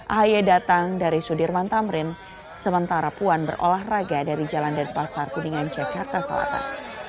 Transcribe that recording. ahy datang dari sudirman tamrin sementara puan berolahraga dari jalan denpasar kuningan jakarta selatan